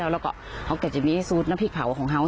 แล้วก็จะมีซุปน้ำพริกเผาของเขา